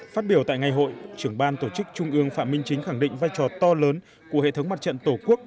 phát biểu tại ngày hội trưởng ban tổ chức trung ương phạm minh chính khẳng định vai trò to lớn của hệ thống mặt trận tổ quốc